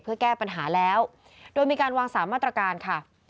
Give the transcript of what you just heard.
เพื่อแก้ปัญหาแล้วโดยมีการวางสามมาตรการค่ะ